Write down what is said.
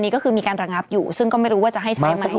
ก็คือมีการระงับอยู่ซึ่งก็ไม่รู้ว่าจะให้ใช้ไหม